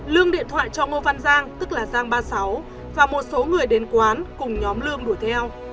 lương điện thoại cho ngô văn giang tức là giang ba mươi sáu và một số người đến quán cùng nhóm lương đuổi theo